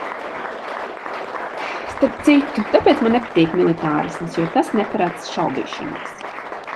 Starp citu, tāpēc man nepatīk militārisms, jo tas neparedz šaubīšanos.